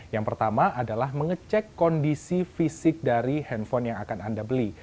yang pertama adalah mengecek kondisi fisik dari handphone yang akan anda beli